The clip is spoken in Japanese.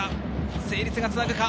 成立がつなぐか。